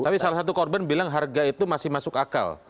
tapi salah satu korban bilang harga itu masih masuk akal